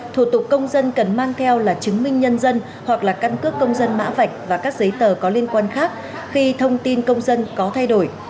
thủ tục công dân cần mang theo là chứng minh nhân dân hoặc là căn cước công dân mã vạch và các giấy tờ có liên quan khác khi thông tin công dân có thay đổi